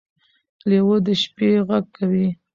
لیوه د شپې غږ کوي.